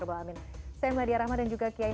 rupal amin saya mladia rahman dan juga kiai